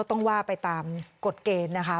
ต้องว่าไปตามกฎเกณฑ์นะคะ